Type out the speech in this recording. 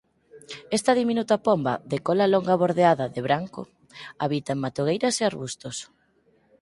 Esta diminuta pomba de cola longa bordeada de branco habita en matogueiras e arbustos.